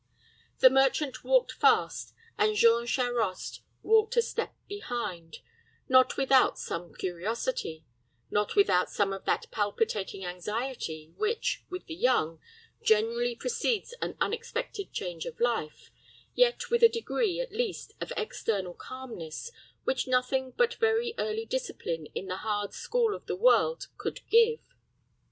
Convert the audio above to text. The merchant walked fast, and Jean Charost followed a step behind: not without some curiosity: not without some of that palpitating anxiety which, with the young, generally precedes an unexpected change of life, yet with a degree, at least, of external calmness which nothing but very early discipline in the hard school of the world could give.